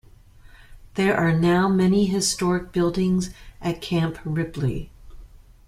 There are now many historic buildings at Camp Ripley.